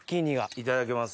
いただきます。